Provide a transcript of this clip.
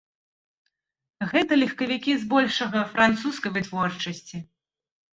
Гэта легкавікі збольшага французскай вытворчасці.